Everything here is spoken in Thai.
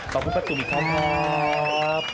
ขอบคุณป้าติ๋มครับ